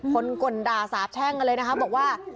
กลด่าสาบแช่งกันเลยนะคะบอกว่า